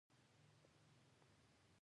احمد، د علي پر سر خورۍ ور واېشولې.